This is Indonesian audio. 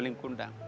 kita juga ada mitos